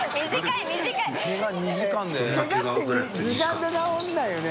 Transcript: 韻辰時間で治らないよね？